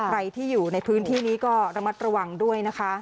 ใครที่อยู่ในพื้นที่นี้ก็ระมัดระวังด้วยนะคะ